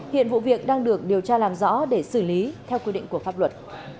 hiện vụ việc đang được điều tra làm rõ để xử lý theo quy định của pháp luật